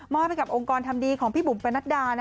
ให้กับองค์กรทำดีของพี่บุ๋มปนัดดา